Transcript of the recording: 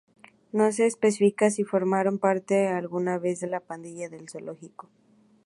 No se especifica si formaron parte alguna vez de la Pandilla del Zoológico.